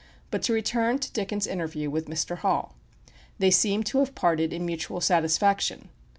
But to return to Dickens' interview with Mr. Hall. They seem to have parted in mutual satisfaction.